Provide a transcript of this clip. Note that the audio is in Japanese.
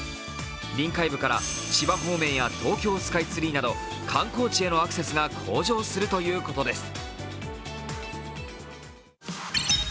臨海部から千葉方面や東京スカイツリーなど観光地へのアクセスが向上するということです。